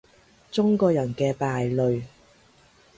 中國人嘅敗類